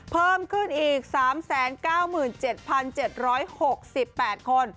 เพิ่มขึ้นอีก๓๙๗๗๖๘คน